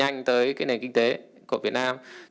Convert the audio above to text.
nhanh tới cái nền kinh tế của việt nam